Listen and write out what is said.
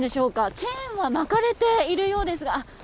チェーンは巻かれているようですが。